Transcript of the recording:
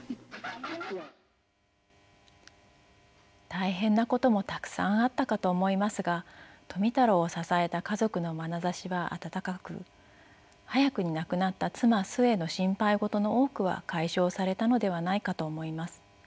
大変なこともたくさんあったかと思いますが富太郎を支えた家族のまなざしは温かく早くに亡くなった妻壽衛の心配事の多くは解消されたのではないかと思います。